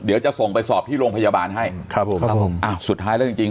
เดี๋ยวจะส่งไปสอบที่โรงพยาบาลให้ครับผมครับผมอ่าสุดท้ายแล้วจริงจริง